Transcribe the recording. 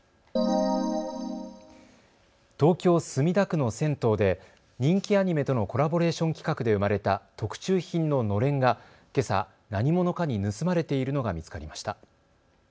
東京墨田区の銭湯で人気アニメとのコラボレーション企画で生まれた特注品ののれんがけさ、何者かに盗まれているのが見つかりました。